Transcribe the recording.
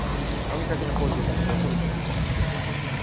飲みかけのコーヒーから毒物の反応が。